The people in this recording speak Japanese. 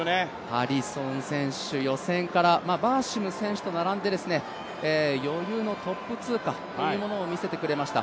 ハリソン選手、予選からバーシム選手と並んで余裕のトップ通過というものを見せてくれました。